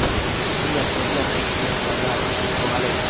Ríase, ríase, señor Cadrado, o galego.